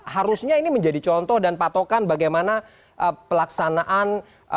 harusnya ini menjadi contoh dan patokan bagaimana pelaksanaan